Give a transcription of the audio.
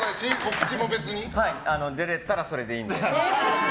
出られたらそれでいいので。